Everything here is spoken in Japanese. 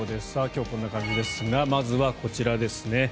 今日こんな感じですがまずはこちらですね。